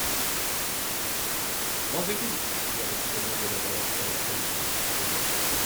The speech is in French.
Rendez-vous ! s'écria le commandant de la balancelle, à l'aide de son porte-voix.